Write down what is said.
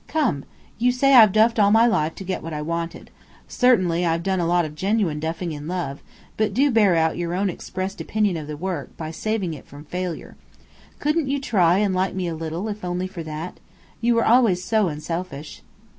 Come! You say I've 'duffed' all my life, to get what I wanted. Certainly I've done a lot of genuine duffing in love; but do bear out your own expressed opinion of the work by saving it from failure. Couldn't you try and like me a little, if only for that? You were always so unselfish."